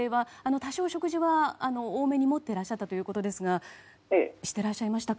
多少、食事は多めに持ってらっしゃったということですが知っていらっしゃいましたか？